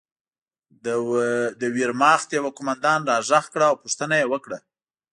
د ویرماخت یوه قومندان را غږ کړ او پوښتنه یې وکړه